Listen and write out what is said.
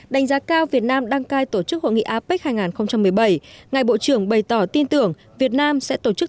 đánh giá cao việt nam đăng cai tổ chức hội nghị apec hai nghìn một mươi bảy ngài bộ trưởng bày tỏ tin tưởng việt nam sẽ tổ chức